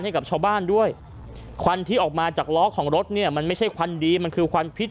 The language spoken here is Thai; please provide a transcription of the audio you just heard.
ให้กับชาวบ้านด้วยควันที่ออกมาจากล้อของรถเนี่ยมันไม่ใช่ควันดีมันคือควันพิษ